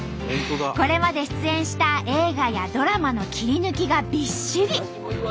これまで出演した映画やドラマの切り抜きがびっしり！